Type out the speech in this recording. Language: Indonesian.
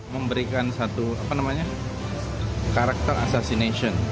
memberikan satu apa namanya karakter assassination